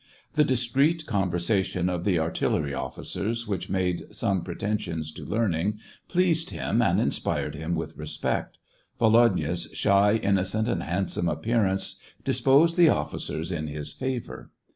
The discreet conversation of the artillery offi cers, which made some pretensions to learning, pleased him and inspired him with respect. Volo dya's shy, innocent, and handsome appearance dis posed the officers in his favor.